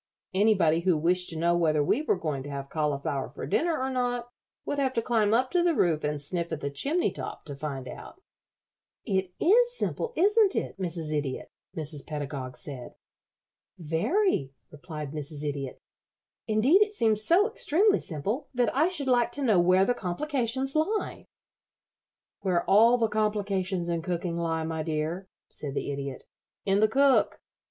Anybody who wished to know whether we were going to have cauliflower for dinner or not would have to climb up to the roof and sniff at the chimney top to find out." "It is simple, isn't it, Mrs. Idiot?" Mrs. Pedagog said. "Very," replied Mrs. Idiot. "Indeed, it seems so extremely simple that I should like to know where the complications lie." "Where all the complications in cooking lie, my dear," said the Idiot, "in the cook.